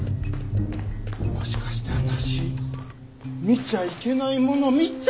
もしかして私見ちゃいけないもの見ちゃったのかな？